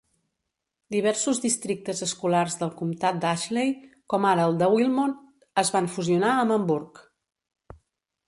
Diversos districtes escolars del comtat d'Ashley, com ara el de Wilmot, es van fusionar amb Hamburg